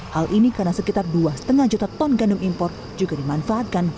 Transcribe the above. hal ini karena sekitar dua lima juta ton gandum impor juga dimanfaatkan